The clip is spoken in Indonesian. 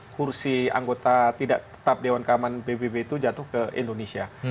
kursi anggota tidak tetap dewan keamanan pbb itu jatuh ke indonesia